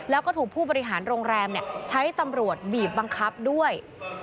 แล้วก็ถูกผู้บริหารโรงแรมใช้ตำรวจบีบบังคับด้วย